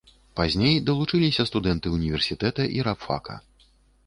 Пазней далучыліся студэнты ўніверсітэта і рабфака.